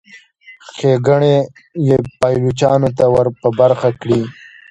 ښېګڼې یې پایلوچانو ته ور په برخه کړي.